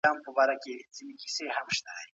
خپله سلطه تضمین کړي.